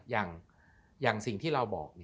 อย่างที่เราบอก